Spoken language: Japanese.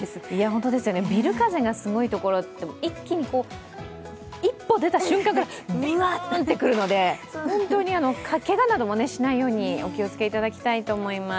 本当ですよね、ビル風がすごいところ、一気に一歩出た瞬間ビュワッと来るので、本当にけがなどもしないようにお気をつけいただきたいと思います。